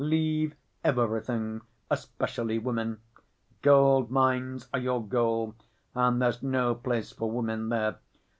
"Leave everything, especially women. Gold‐mines are your goal, and there's no place for women there.